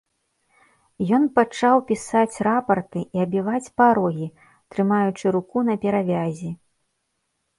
Ён пачаў пісаць рапарты і абіваць парогі, трымаючы руку на перавязі.